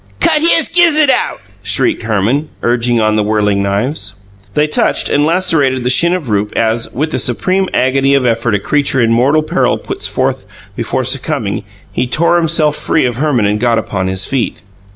"Cut his gizzud out!" shrieked Herman, urging on the whirling knives. They touched and lacerated the shin of Rupe, as, with the supreme agony of effort a creature in mortal peril puts forth before succumbing, he tore himself free of Herman and got upon his feet.